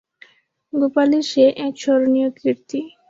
গোপালের সে এক স্মরণীয় কীর্তি।